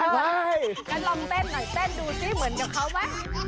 งั้นลองเต้นหน่อยเต้นดูสิเหมือนกับเขาไหม